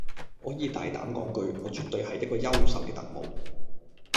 我可以大膽講句，我絕對係一個優秀嘅特務